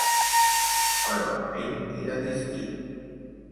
Però amb ell era distint.